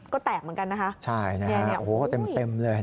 ก็แตกเหมือนกันนะครับอย่างนี้โอ้โฮเต็มเลย